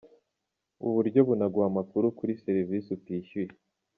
Ubu buryo bunaguha amakuru kuri serivisi utishyuye.